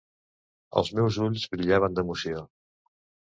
Els meus ulls brillaven d'emoció.